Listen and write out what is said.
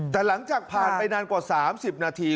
แต่หลังจากผ่านไปนานกว่า๓๐นาที